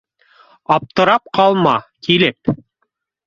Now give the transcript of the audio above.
Аптырап ҡалма, килеп